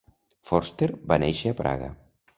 Foerster va néixer a Praga.